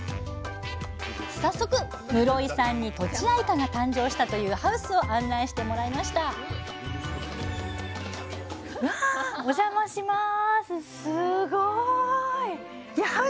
早速室井さんにとちあいかが誕生したというハウスを案内してもらいましたわおじゃまします。